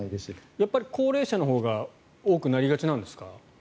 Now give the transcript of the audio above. やっぱり高齢者のほうが多くなりがちなんですか？